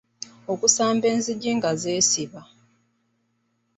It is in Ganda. okusamba enzigi nga zeesiba